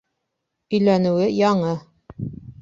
Өйләнеүе яңы.